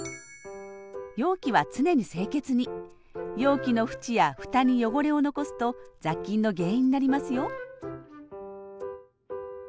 容器の縁やふたに汚れを残すと雑菌の原因になりますよ